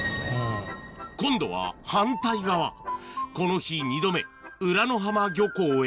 今度は反対側この日２度目浦の浜漁港へ